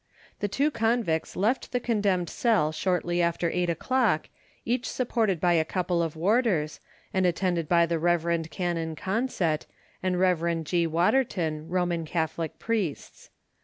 The two convicts left the condemned cell shortly after eight o'clock, each supported by a couple of warders, and attended by the Rev. Canon Consett and Rev. G. Waterton, Roman Catholic priests.